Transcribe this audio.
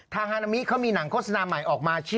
ฮานามิเขามีหนังโฆษณาใหม่ออกมา